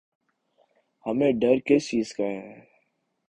ہمیں ڈر کس چیز کا ہے؟